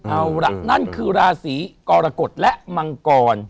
เอาล่ะนั่นคือราศีกรกฎและมังกร